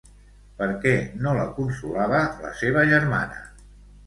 Per què no la consolava la seva germana?